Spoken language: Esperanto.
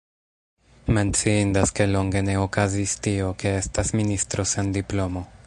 Menciindas, ke longe ne okazis tio, ke estas ministro sen diplomo.